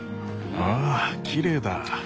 わあきれいだ！